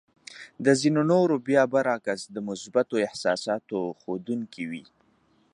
د ځينو نورو بيا برعکس د مثبتو احساساتو ښودونکې وې.